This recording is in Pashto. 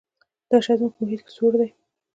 دا شی زموږ په محیط کې سوړ دی.